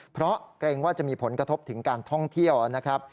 เพราะเกรงว่าจะมีผลกระทบถึงการท่องเที่ยวนะครับ